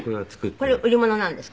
これ売り物なんですか？